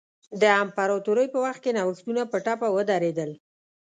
د امپراتورۍ په وخت کې نوښتونه په ټپه ودرېدل.